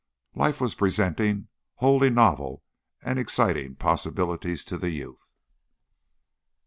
Life was presenting wholly novel and exciting possibilities to the youth.